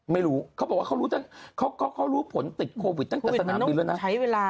ไม่รู้เขาบอกว่าเขารู้ตั้งเขารู้ผลติดโควิดตั้งแต่สนามบินแล้วนะ